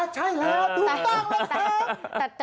ใช่แล้วอึมตั้งเลยแต่